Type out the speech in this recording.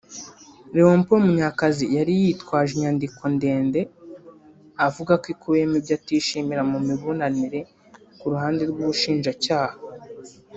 Léopord Munyakazi yari yitwaje inyandiko ndende avuga ko ikubiyemo ibyo atishimira mu miburanire ku ruhande rw’ubushinjacyaha